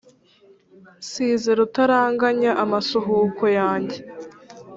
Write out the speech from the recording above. nsize rutaraganya amasuhuko yange